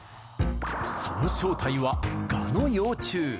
その正体は、ガの幼虫。